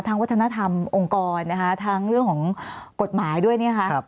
วัฒนธรรมองค์กรนะคะทั้งเรื่องของกฎหมายด้วยนะคะ